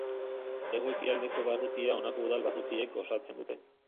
Hego-ekialdeko barrutia honako udal barrutiek osatzen dute.